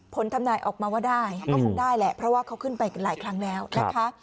ทำนายออกมาว่าได้ก็คงได้แหละเพราะว่าเขาขึ้นไปหลายครั้งแล้วนะคะ